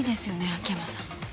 秋山さん。